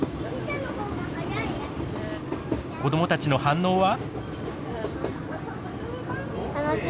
子供たちの反応は？